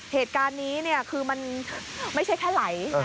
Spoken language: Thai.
เหตุการณ์นี้ไม่ใช่แค่ไหล